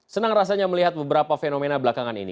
senang rasanya melihat beberapa fenomena belakangan ini